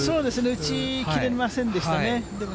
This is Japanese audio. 打ちきれませんでしたね。